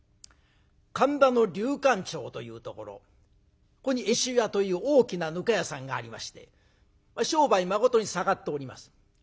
神田の竜閑町というところここに遠州屋という大きなぬか屋さんがありまして商売まことに盛っております。